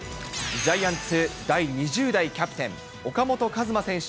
ジャイアンツ第２０代キャプテン、岡本和真選手